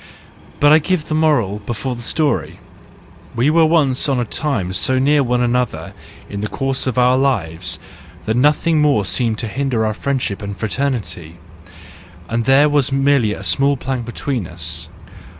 But I give the moral before the story.—We were once THE JOYFUL WISDOM, I 55 on a time so near one another in the course of our lives, that nothing more seemed to hinder our friendship and fraternity, and there was merely a small plank between us.